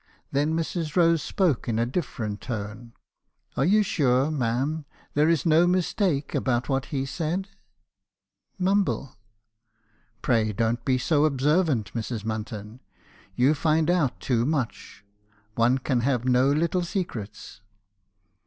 Then Mrs. Rose spoke in a different tone. "'Are you sure, ma'am, there is no mistake about what he said?' "Mumble. " 'Pray don't be so observant, Mrs. Munton; you find out too much. One can have no little secrets.'